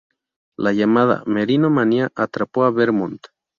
La llamada 'merino manía' atrapó a Vermont.